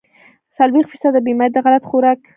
څلوېښت فيصده بيمارۍ د غلط خوراک